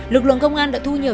lực lượng công an đã thu nhờ